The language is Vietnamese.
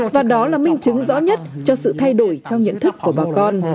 và đó là minh chứng rõ nhất cho sự thay đổi trong nhận thức của bà con